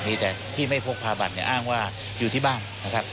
มีแต่ที่ไม่พกพาบัตรเนี่ยอ้างว่าอยู่ที่บ้านนะครับ